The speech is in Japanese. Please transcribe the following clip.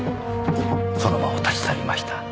その場を立ち去りました。